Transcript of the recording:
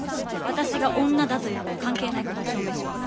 私が女だというのも関係ないことを証明します。